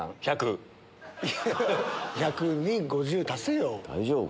１００に５０足せよ！